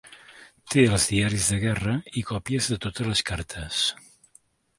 Té els diaris de guerra i còpies de totes les cartes.